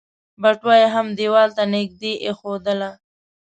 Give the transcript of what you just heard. بټوه يې هم ديوال ته نږدې ايښودله.